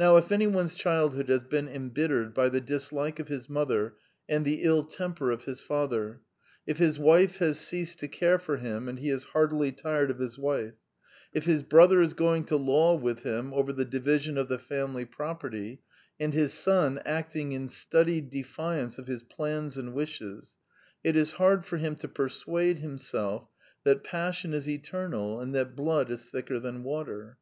Now if anyone's childhood has been embittered by the dislike of his mother and the ill temper of his father; if his wife has ceased to care for him and he is heartily tired of his wife; if his brother is going to law with him over the division of the family property, and his son acting in studied defiance of his plans and wishes, it is hard for him to persuade himself that passion is eternal and that blood is thicker than water.